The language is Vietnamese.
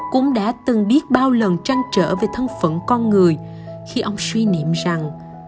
cũng đã từng biết bao lần trăn trở về thân phận con người khi ông suy niệm rằng